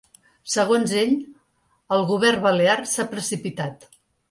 Segons ell, el govern balear s’ha precipitat.